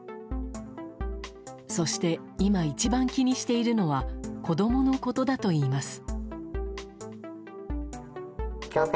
そして今、一番気にしているのは子供のことだといいます。